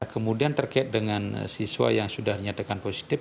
kemudian terkait dengan siswa yang sudah dinyatakan positif